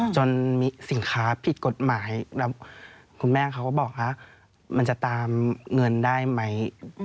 จนมีสินค้าผิดกฎหมายแล้วคุณแม่เขาก็บอกว่ามันจะตามเงินได้ไหม